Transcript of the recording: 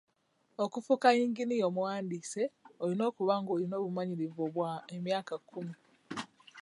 Okufuuka yingiya omuwandiise, olina okuba ng'olina obumanyirivu bwa emyaka kkumi.